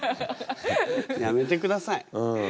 やめてください。